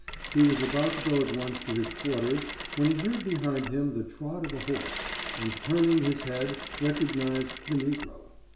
He was about to go at once to his quarters when he heard behind him the trot of a horse, and, turning his head, recognized the Negro.